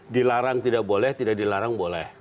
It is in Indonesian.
dilarang tidak boleh tidak dilarang boleh